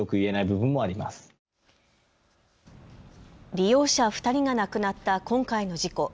利用者２人が亡くなった今回の事故。